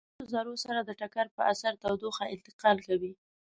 د وروستیو ذرو سره د ټکر په اثر تودوخه انتقال کوي.